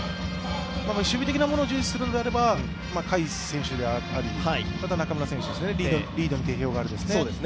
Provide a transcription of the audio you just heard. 守備的なものを重視するのであれば甲斐選手であり、または中村選手ですね、リードに定評がある。